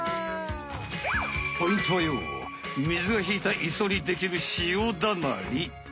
ポイントはよみずがひいた磯にできる潮だまり。